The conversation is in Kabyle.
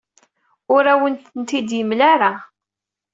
Ur awen-ten-id-yemla ara.